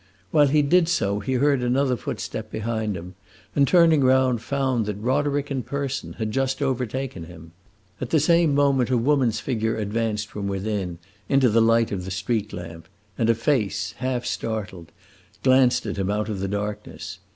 While he did so he heard another footstep behind him, and turning round found that Roderick in person had just overtaken him. At the same moment a woman's figure advanced from within, into the light of the street lamp, and a face, half startled, glanced at him out of the darkness.